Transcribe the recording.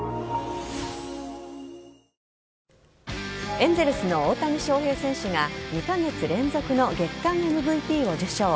エンゼルスの大谷翔平選手が２カ月連続の月間ＭＶＰを受賞。